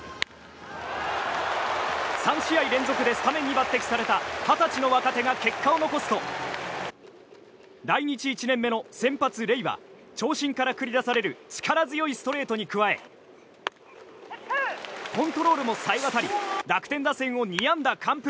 ３試合連続でスタメンに抜擢された二十歳の若手が結果を残すと来日１年目の先発、レイは長身から繰り出される力強いストレートに加えコントロールもさえわたり楽天打線を２安打完封。